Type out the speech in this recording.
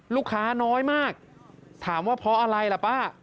ลูกค้าน้อยมากถามว่าเพราะอะไรล่ะป้า